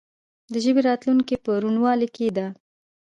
د ژبې راتلونکې په روڼوالي کې ده.